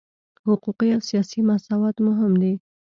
حقوقي او سیاسي مساوات مهم دي.